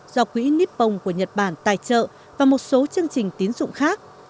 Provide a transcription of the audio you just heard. do quỹ nippon của nhật bản tài trợ và một số chương trình tín dụng khác